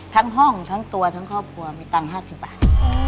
ทั้งห้องทั้งตัวทั้งครอบครัวมีตังค์๕๐บาท